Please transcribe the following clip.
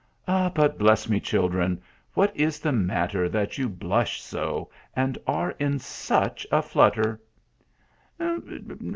But bless me, children ! what is the matter that you blush so, and are in such a flutter